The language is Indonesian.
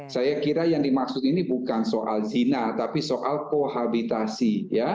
saya kira yang dimaksud ini bukan soal zina tapi soal kohabitasi